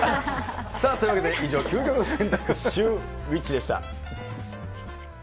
というわけで以上、究極の選択、シューＷｈｉｃｈでした。